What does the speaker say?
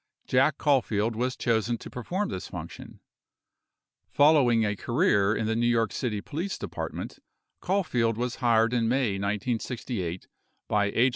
Jack Caulfield was chosen to perform this function. Following a career in the New York City Police Department, Caulfield was hired in May 1968 by H.